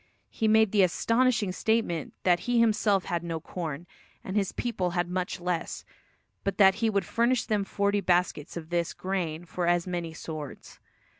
He made the astonishing statement that he himself had no corn, and his people had much less; but that he would furnish them forty baskets of this grain for as many swords.